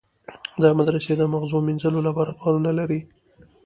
دا مدرسې د مغزو مینځلو لابراتوارونه لري.